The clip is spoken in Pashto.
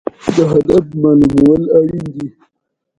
لمریز ځواک د افغانستان د جغرافیې بېلګه ده.